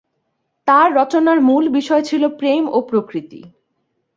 তার রচনার মূল বিষয় ছিল প্রেম ও প্রকৃতি।